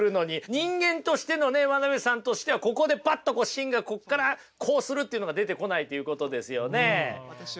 人間としてのね真鍋さんとしてはここでパッとこう芯がここからこうするっていうのが出てこないということですよね。